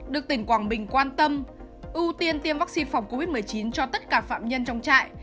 được tỉnh quảng bình quan tâm ưu tiên tiêm vaccine phòng covid một mươi chín cho tất cả phạm nhân trong trại